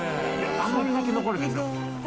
甘みだけ残るんですよ